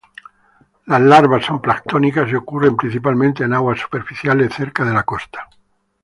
Las larvas son planctónicas y ocurren principalmente en aguas superficiales cerca de la costa.